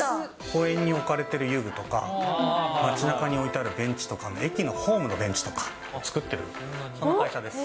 公園に置かれてる遊具とか、街なかにおいてあるベンチとか、駅のホームのベンチとかを作ってる会社です。